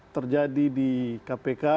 terjadi di kpk